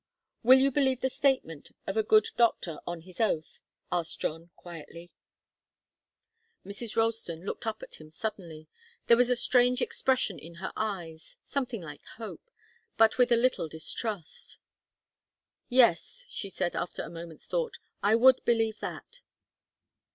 "Will you believe the statement of a good doctor on his oath?" asked John, quietly. Mrs. Ralston looked up at him suddenly. There was a strange expression in her eyes, something like hope, but with a little distrust. "Yes," she said, after a moment's thought. "I would believe that."